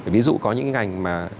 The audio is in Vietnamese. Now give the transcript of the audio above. ví dụ có những ngành mà